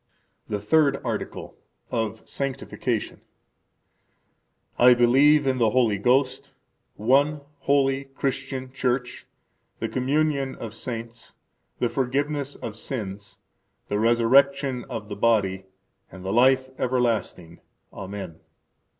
The Third Article. Of Sanctification I believe in the Holy Ghost; one holy Christian Church, the communion of saints; the forgiveness of sins; the resurrection of the body; and the life everlasting. Amen.